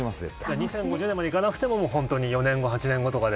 ２０５０年までいかなくても４年後、８年後とかで。